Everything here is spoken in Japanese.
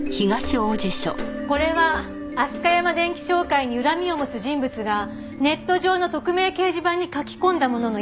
これはアスカヤマ電器商会に恨みを持つ人物がネット上の匿名掲示板に書き込んだものの一部です。